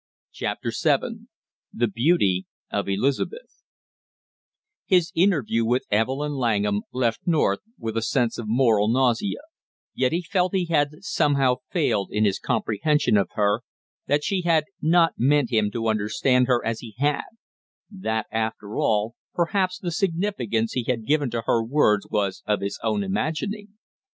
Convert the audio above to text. CHAPTER SEVEN THE BEAUTY OF ELIZABETH His interview with Evelyn Langham left North with a sense of moral nausea, yet he felt he had somehow failed in his comprehension of her, that she had not meant him to understand her as he had; that, after all, perhaps the significance he had given to her words was of his own imagining.